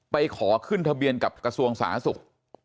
ไปขอขึ้นทะเบียนกับกระทรวงสาธารณสุข